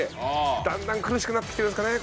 だんだん苦しくなってきてるんですかね